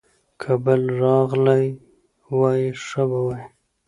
که بل راغلی وای، ښه به وای.